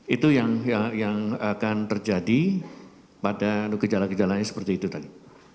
itu yang akan terjadi pada gejala gejalanya seperti itu tadi